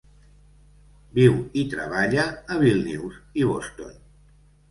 Viu i treballa a Vílnius i Boston.